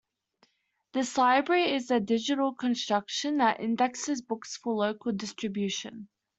This library is a digital construction that indexes books for local distribution.